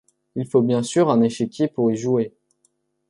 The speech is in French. Il faut bien sûr un échiquier pour y jouer.